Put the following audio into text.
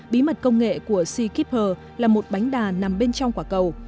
bí mật công nghệ của sea keeper là một bánh đà nằm bên trong quả cầu